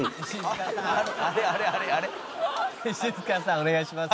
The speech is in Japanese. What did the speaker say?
お願いします」